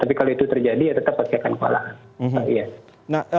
tapi kalau itu terjadi tetap perkembangan kewalahan